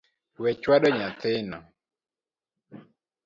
We chwado nyathi no